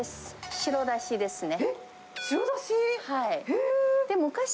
白だしですね。